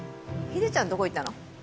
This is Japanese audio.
ヒデちゃんどこ行ったの？